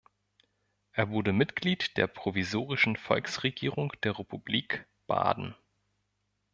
Er wurde Mitglied der provisorischen Volksregierung der Republik Baden.